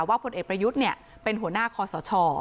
ว่าพลเอ็ดประยุทธ์เนี่ยเป็นหัวหน้าคอสช